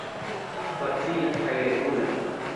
Facila kaj regula.